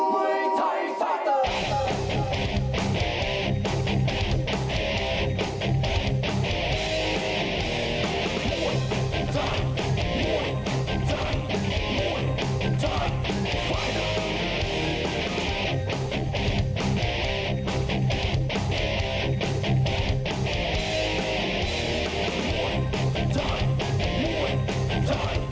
มุนทัน